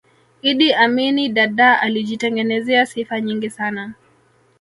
iddi amini dadaa alijitengezea sifa nyingi sana